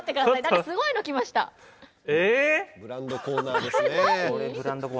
これブランドコーナーですね。